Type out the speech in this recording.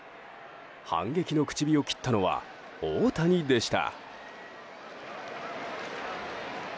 反撃の口火を切ったのは大谷でした。